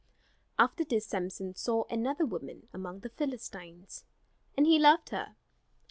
After this Samson saw another woman among the Philistines, and he loved her.